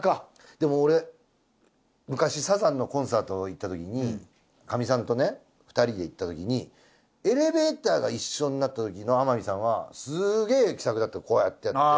でも俺昔サザンのコンサート行ったときにかみさんとね２人で行ったときにエレベーターが一緒になったときの天海さんはすげえ気さくだったこうやってやって。